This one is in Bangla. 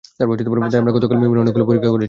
তাই আমরা গতকাল মিমির অনেকগুলো পরীক্ষা করেছি।